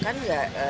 kan gak waktu itu